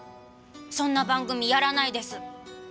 そんな番組やらないです。